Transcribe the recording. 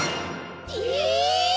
え！